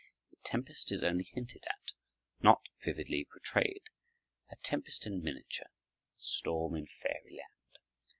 The tempest is only hinted at, not vividly portrayed—a tempest in miniature, a storm in fairyland.